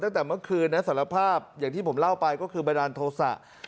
ตั้งแต่เมื่อคืนนะสารภาพอย่างที่ผมเล่าไปก็คือบันดาลโทษะ